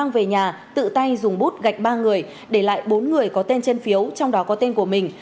về lại bốn người có tên trên phiếu trong đó có tên của mình